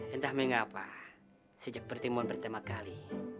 entah mengapa sejak pertemuan pertama kali